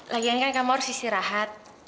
lagian kan kamu harus istirahat